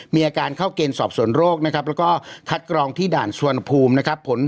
มีอาการเข้าเกณฑ์สอบสวนโรคนะครับแล้วก็คัดกรองที่ด่านชวนภูมินะครับ